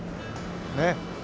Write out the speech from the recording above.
ねっ。